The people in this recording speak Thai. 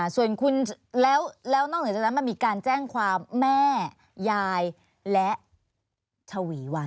ส่วนคุณแล้วนอกเหนือจากนั้นมันมีการแจ้งความแม่มีการแจ้งความแม่